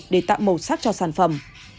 để tạo màu sắc cho sản phẩm